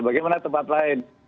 bagaimana tempat lain